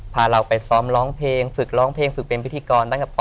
พาเราไปซ้อมร้องเพลงฝึกร้องเพลงฝึกเป็นพิธีกรตั้งแต่